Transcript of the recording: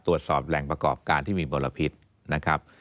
ตรวจสอบแหล่งประกอบการที่มีมลพิษนะครับ